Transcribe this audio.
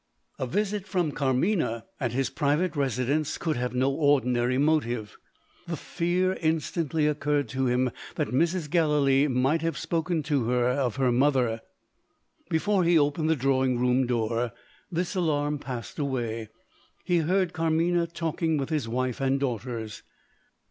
A visit from Carmina, at his private residence, could have no ordinary motive. The fear instantly occurred to him that Mrs. Gallilee might have spoken to her of her mother. Before he opened the drawing room door, this alarm passed away. He heard Carmina talking with his wife and daughters.